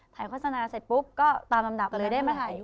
โฆษณาเสร็จปุ๊บก็ตามลำดับเลยได้มาถ่าย